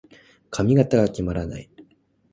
髪型が決まらない。